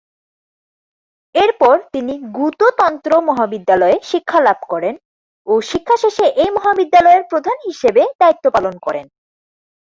এরপর তিনি গ্যুতো তন্ত্র মহাবিদ্যালয়ে শিক্ষালাভ করেন ও শিক্ষা শেষে এই মহাবিদ্যালয়ের প্রধান হিসেবে দায়িত্ব পালন করেন।